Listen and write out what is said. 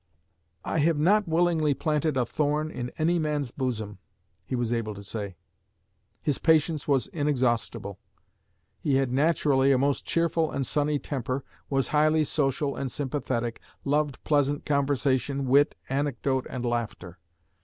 'I have not willingly planted a thorn in any man's bosom,' he was able to say. His patience was inexhaustible. He had naturally a most cheerful and sunny temper, was highly social and sympathetic, loved pleasant conversation, wit, anecdote, and laughter.